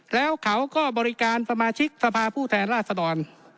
แล้วเขาก็บริการสมาชิกสภาผู้แทนราชดร